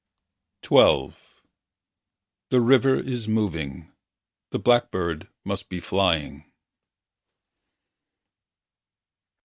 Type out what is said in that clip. XII The river is moving. The blackbird must be flying.